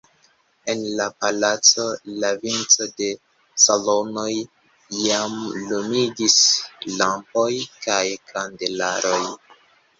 En la palaco la vicon de salonoj jam lumigis lampoj kaj kandelaroj.